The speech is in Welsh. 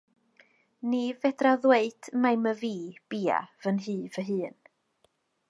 Ni fedraf ddweud mai myfi biau fy nhŷ fy hun.